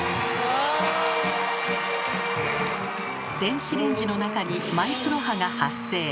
電子レンジの中にマイクロ波が発生。